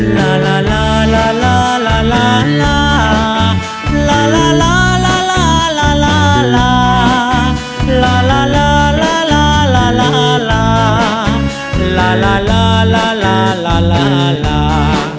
ลาลาลาลาลาลาลาลาลาลาลาลาลาลาลาลลาลา